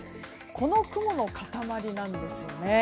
この雲の塊なんですよね。